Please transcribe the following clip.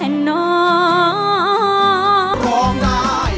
แสนสองครับผมแสนสองครับผม